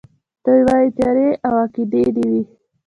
دی وايي تيارې او عقيدې دي وي